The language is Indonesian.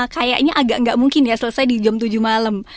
kayaknya agak nggak mungkin ya selesai di jam tujuh malam